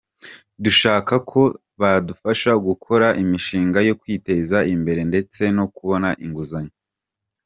"Dushaka ko badufasha gukora imishinga yo kwiteza imbere ndetse no kubona inguzanyo".